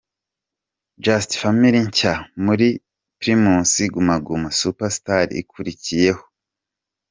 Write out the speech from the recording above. Just Family, nshya muri iri Primus Guma Guma Super Star ikurikiyeho.